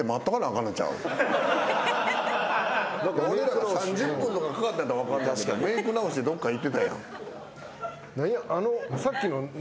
俺らが３０分とかかかってたら分かんねんけどメイク直しでどっか行ってたやん。